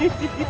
aku akan menang